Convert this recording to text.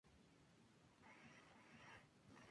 Jugaba de delantero y su primer club fue Lanús.